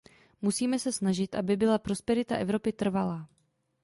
Musíme se snažit, aby byla prosperita Evropy trvalá.